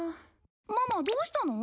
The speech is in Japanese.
ママどうしたの？